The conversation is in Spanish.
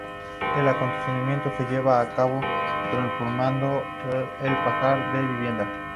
El acondicionamiento se llevaba a cabo transformando el pajar en vivienda.